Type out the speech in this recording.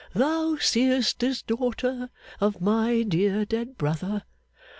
'Thou seest this daughter of my dear dead brother!